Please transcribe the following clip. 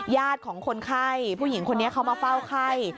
ของคนไข้ผู้หญิงคนนี้เขามาเฝ้าไข้